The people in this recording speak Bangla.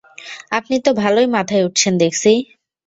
আপনি তো ভালোই মাথায় উঠছেন দেখছি।